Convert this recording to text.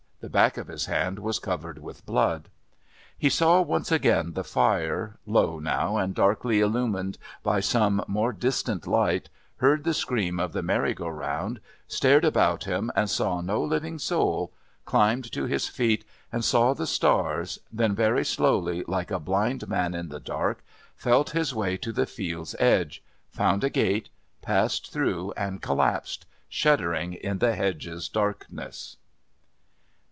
The back of his hand was covered with blood. He saw once again the fire, low now and darkly illumined by some more distant light, heard the scream of the merry go round, stared about him and saw no living soul, climbed to his feet and saw the stars, then very slowly, like a blind man in the dark, felt his way to the field's edge, found a gate, passed through and collapsed, shuddering in the hedge's darkness.